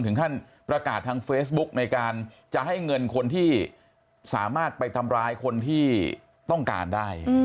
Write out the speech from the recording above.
ถึงขั้นประกาศทางเฟซบุ๊กในการจะให้เงินคนที่สามารถไปทำร้ายคนที่ต้องการได้